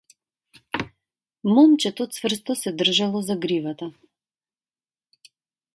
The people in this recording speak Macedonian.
Момчето цврсто се држело за гривата.